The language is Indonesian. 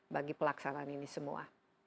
bagi pelaksanaan ini semua